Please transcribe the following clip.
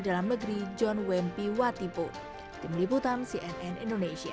dalam negeri john wempi watipo di meliputan cnn indonesia